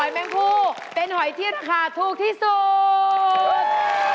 แม่งพูเป็นหอยที่ราคาถูกที่สุด